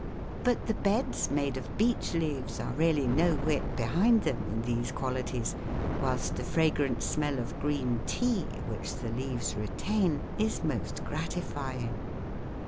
But the beds made of beech leaves are really no whit behind them in these qualities, whilst the fragrant smell of green tea, which the leaves retain, is most gratifying.